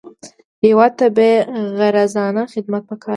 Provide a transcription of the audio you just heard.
هېواد ته بېغرضانه خدمت پکار دی